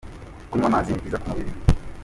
Kunywa amazi ni byiza ku mubiri.